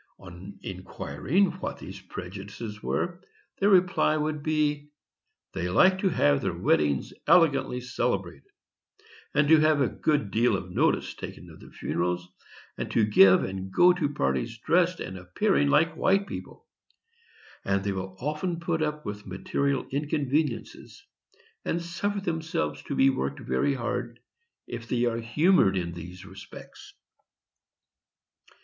On inquiring what these prejudices were, the reply would be, "They like to have their weddings elegantly celebrated, and to have a good deal of notice taken of their funerals, and to give and go to parties dressed and appearing like white people; and they will often put up with material inconveniences, and suffer themselves to be worked very hard, if they are humored in these respects."